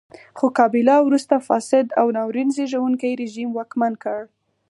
خو کابیلا وروسته فاسد او ناورین زېږوونکی رژیم واکمن کړ.